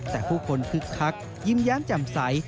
แต่ผู้คนคึกคักยิ้มแย้มแจ่มใส